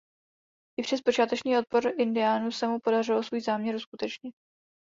I přes počáteční odpor indiánů se mu podařilo svůj záměr uskutečnit.